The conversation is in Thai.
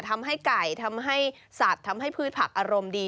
ทำให้ไก่ทำให้สัตว์ทำให้พืชผักอารมณ์ดี